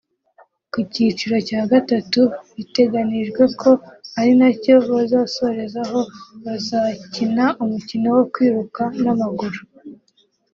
Ku cyiciro cya gatatu biteganijwe ko ari nacyo bazasorezaho bazakina umukino wo kwiruka n’amaguru